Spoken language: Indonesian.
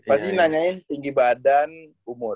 pasti nanyain tinggi badan umur